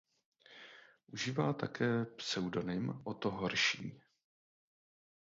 Užívá také pseudonym Otto Horší.